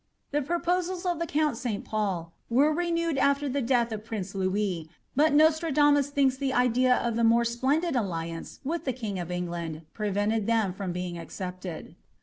The propoiMils of the count SL Pol were renewed after the deaih of prince l.ouis, but Nostradamus tliinks the idea of the more splendid alliance wiib the king of England prevented them from bting accepted.